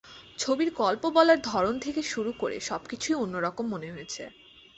ছবির গল্প বলার ধরন থেকে শুরু করে সবকিছুই অন্যরকম মনে হয়েছে।